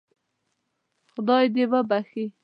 خدای دې وبخښي.